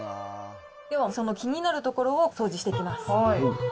ではその気になるところを掃除していきます。